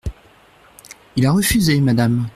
Il a refusé, madame…